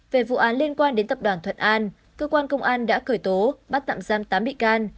về vụ án liên quan đến tập đoàn thuận an cơ quan công an đã khởi tố bắt tạm giam tám bị can